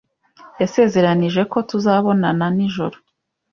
Yasezeranije ko tuzabonana nijoro.